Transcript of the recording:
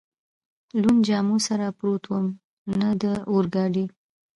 لوندو جامو سره پروت ووم، نه د اورګاډي.